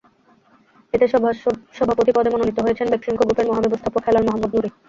এতে সভাপতি পদে মনোনীত হয়েছেন বেক্সিমকো গ্রুপের মহাব্যবস্থাপক হেলাল মোহাম্মদ নূরী।